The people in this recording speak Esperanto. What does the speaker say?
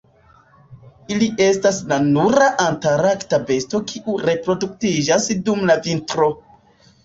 Ili estas la nura antarkta besto kiu reproduktiĝas dum la vintro.